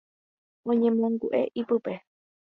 Oñemongu'e ypýpe.